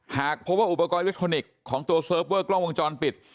หากพบว่าอุปกรณ์อิเล็กทรอนิกส์ของตัวเซิร์ฟเวอร์กล้องวงจรปิด